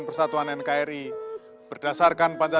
buai dibesarkan muda